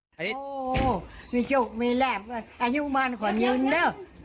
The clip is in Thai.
โอ้โฮมีจุกมีแหล่บอายุมันของนึนเนอะ